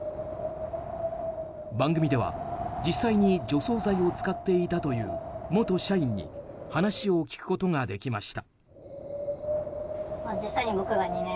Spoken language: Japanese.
番組では実際に除草剤を使っていたという元社員に話を聞くことができました。